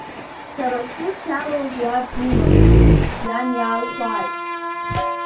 Сара сусс иалоузеи аб димамзар, иан изаалхәааит!